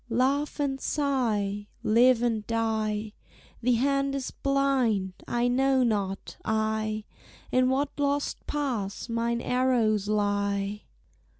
"Laugh and sigh, live and die, The hand is blind: I know not, I, In what lost pass mine arrows lie!